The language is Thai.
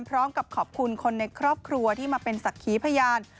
พร้อมกับขอบคุณคนในครอบครัวที่มาเป็นศักดิ์ขีพยาน